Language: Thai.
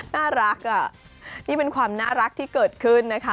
น่ารักอ่ะนี่เป็นความน่ารักที่เกิดขึ้นนะคะ